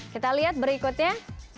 kita lihat berikutnya